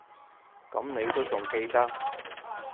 噉你都仲記得